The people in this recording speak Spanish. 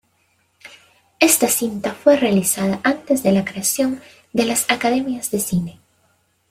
Esta cinta fue realizada antes de la creación de las academias de cine.